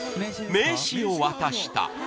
名刺を渡した